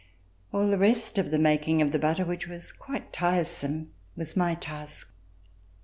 All the rest of the making of the butter which was quite tiresome was my task.